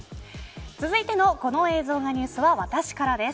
続いての、この映像がニュースは私からです。